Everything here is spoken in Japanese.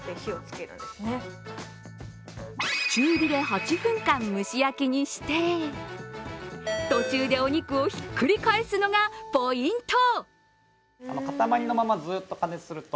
中火で８分間、蒸し焼きにして途中でお肉をひっくり返すのがポイント。